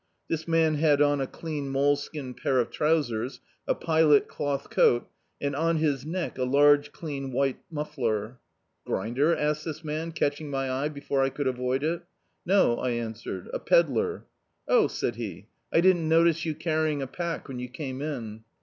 This man had on a clean moleskin pair of trousers, a pilot cloth coat, and on his neck a large clean white muffler. "Grinder?" asked this man, catching my eye before I could avoid it "No," I answered, "a pedlar." "Oh," said he, "I didn't notice you carry ing a pack when you came in."